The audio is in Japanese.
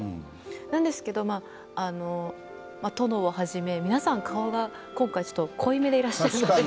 なんですけど殿をはじめ皆さん、顔が今回、濃いめでいらっしゃる。